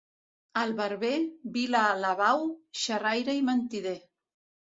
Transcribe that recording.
El barber, vila-alabau, xerraire i mentider.